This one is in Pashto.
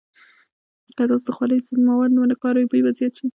که تاسو د خولې ضد مواد ونه کاروئ، بوی به زیات شي.